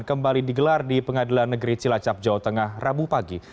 kembali digelar di pengadilan negeri cilacap jawa tengah rabu pagi